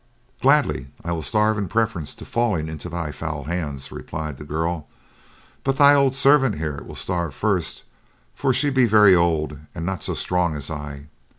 "Gladly will I starve in preference to falling into thy foul hands," replied the girl. "But thy old servant here will starve first, for she be very old and not so strong as I.